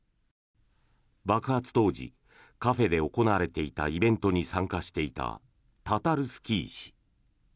爆発当時、カフェで行われていたイベントに参加していたタタルスキー氏。